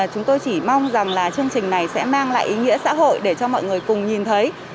chúng tôi chỉ mong rằng là chương trình này sẽ mang lại ý nghĩa xã hội để cho mọi người cùng nhìn thấy